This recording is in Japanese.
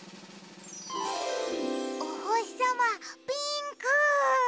おほしさまピンク！